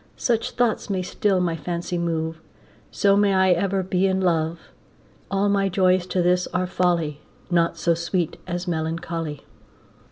Such thoughts may still my fancy move, So may I ever be in love. All my joys to this are folly, Naught so sweet as melancholy.